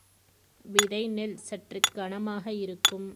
விதை நெல் சற்றுக் கனமாக இருக்கும்.